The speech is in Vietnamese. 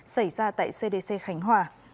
xảy ra tại cdc khánh hòa